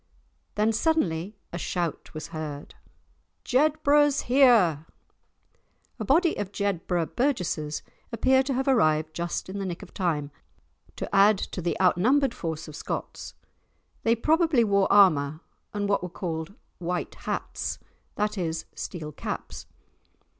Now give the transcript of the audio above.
Then suddenly a shout was heard. "Jedburgh's here!" A body of Jedburgh burgesses appear to have arrived just in the nick of time to add to the outnumbered force of Scots. They probably wore armour and what were called "white hats," that is steel caps.